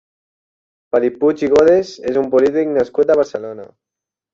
Felip Puig i Godes és un polític nascut a Barcelona.